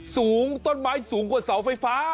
สูงต้นไม้สูงกว่าเสาไฟฟ้า